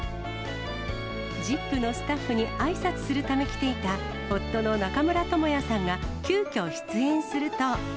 ＺＩＰ！のスタッフにあいさつするため来ていた、夫の中村倫也さんが急きょ、出演すると。